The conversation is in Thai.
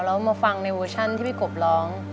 แล้วมาฟังในเวอร์ชันที่พี่กบร้อง